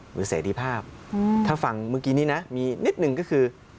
เสรีภาพถ้าฟังเมื่อกี้นี้นะมีนิดหนึ่งก็คือ